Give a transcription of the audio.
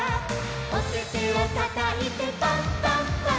「おててをたたいてパンパンパン！！」